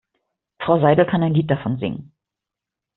Frau Seidel kann ein Lied davon singen.